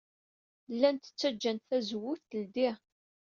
Llant ttajjant tazewwut teldey.